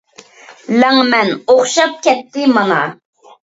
لەڭمەن ئوخشاپ كەتتى مانا.